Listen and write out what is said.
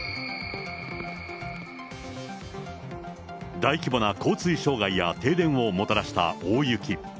大規模な交通障害や停電をもたらした大雪。